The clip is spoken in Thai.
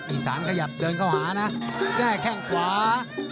อีสานขยับเดินเข้าหานะแก้แข้งขวา